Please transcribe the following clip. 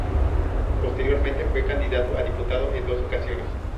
Posteriormente fue candidato a diputado en dos ocasiones.